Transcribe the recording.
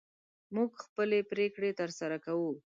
موږ خپلې پرېکړې تر سره کوو.